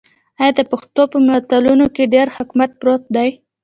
آیا د پښتنو په متلونو کې ډیر حکمت پروت نه دی؟